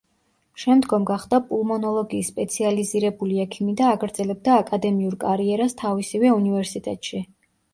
შემდგომ გახდა პულმონოლოგიის სპეციალიზირებული ექიმი და აგრძელებდა აკადემიურ კარიერას თავისივე უნივერსიტეტში.